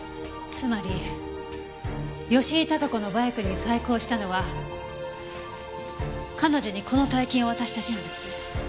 つまり吉井孝子のバイクに細工をしたのは彼女にこの大金を渡した人物。